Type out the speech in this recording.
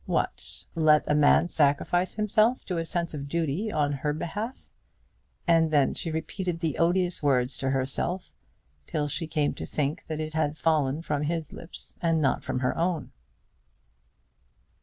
What; let a man sacrifice himself to a sense of duty on her behalf! And then she repeated the odious words to herself, till she came to think that it had fallen from his lips and not from her own.